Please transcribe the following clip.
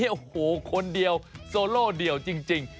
โอ้โหคนเดียวโซโลเดี่ยวจริง